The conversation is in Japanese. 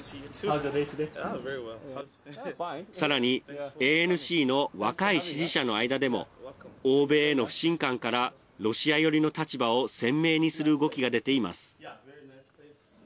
さらにＡＮＣの若い支持者の間でも欧米への不信感からロシア寄りの立場を鮮明にする動きが出ています。